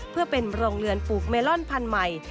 เพื่อเป็นโรงเรือนปลูกเมลอนพันธุ์ใหม่